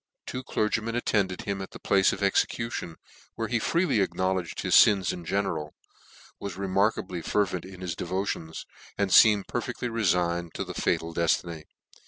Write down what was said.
Two clergymen attended him at the place of execution, where he freely acknowledged his fins in general, was remarkable fervent in his devo tions, and feemed perfectly reftgned to his fatal deftiny.